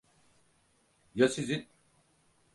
Ya sizin?